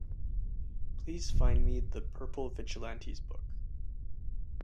Please find me The Purple Vigilantes book.